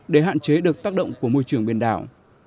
để hạn chế được tác động của môi trường biển đảo